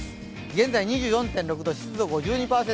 現在２４．６度、湿度５２％。